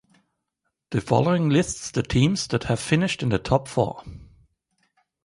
The following lists the teams that have finished in the top four.